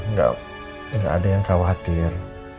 nggak ada yang khawatir